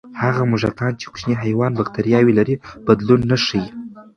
هغه موږکان چې کوچني حیوان بکتریاوې لري، بدلون نه ښيي.